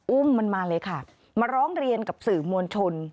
อุ้มมันมาเลยค่ะมาร้องเรียนกับสื่อมวลชน